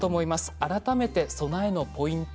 改めて備えのポイント